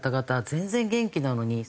全然元気なのにって。